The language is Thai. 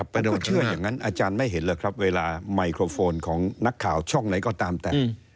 เป็นคนเชื่ออย่างนั้นอาจารย์ไม่เห็นหรอกครับเวลาไมโครโฟนของนักข่าวช่องไหนก็ตามแต่